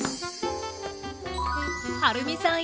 はるみさん